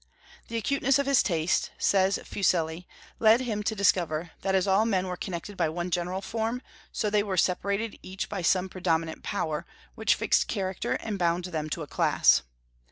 "The acuteness of his taste," says Fuseli, "led him to discover that as all men were connected by one general form, so they were separated each by some predominant power, which fixed character and bound them to a class.